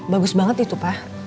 bagus banget itu pak